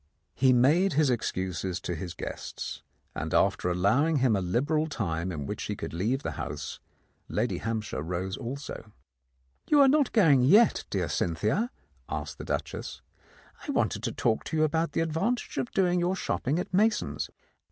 He made his excuses to his guests, and after allow ing him a liberal time in which he could leave the house, Lady Hampshire rose also. "You are not going yet, dear Cynthia?" asked the Duchess. "I wanted to talk to you about the ad vantage of doing your shopping at Mason's.